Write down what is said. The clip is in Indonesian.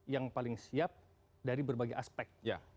yang paling siap dari berbagai aspek